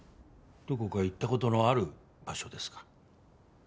どこか行った事のある場所ですか？